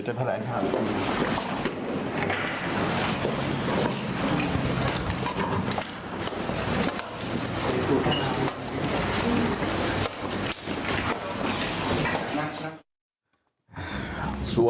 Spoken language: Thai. บอกแล้วบอกแล้วบอกแล้วบอกแล้ว